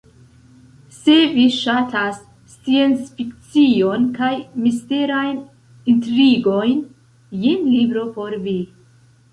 Se vi ŝatas sciencfikcion kaj misterajn intrigojn, jen libro por vi.